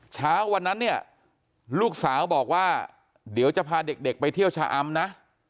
เช้าวันนั้นเนี่ยลูกสาวบอกว่าเดี๋ยวจะพาเด็กไปเที่ยวชะอำนะ